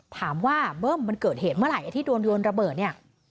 เบิ้มมันเกิดเหตุเมื่อไหร่ที่โดนโยนระเบิดเนี่ย